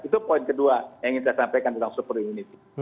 itu poin kedua yang ingin saya sampaikan tentang super immunity